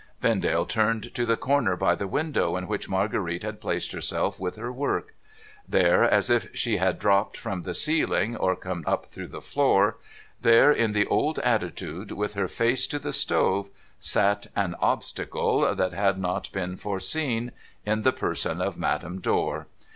Vendale turned to the corner by the window, in which Marguerite had placed herself with her work. There, as if she had dropped from the ceiling, or come up through the floor — there, in the old attitude, with her face to the stove — sat an Obstacle that had not been foreseen, in the person of Madam Dor